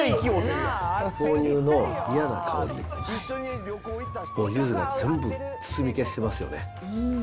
豆乳の嫌な香りをゆずが全部、包み消してますよね。